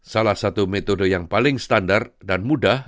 salah satu metode yang paling standar dan mudah